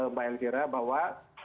mbak elkira bahwa